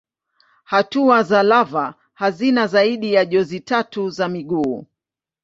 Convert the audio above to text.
Hatua za lava hazina zaidi ya jozi tatu za miguu.